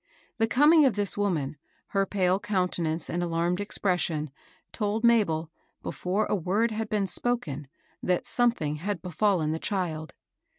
The coming of this woman, her pale counte nance and alarmed expression, told Mabel, before a word had been spoken, that something had be fallen the child.